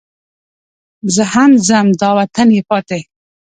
زه هم ځم دا وطن یې پاتې.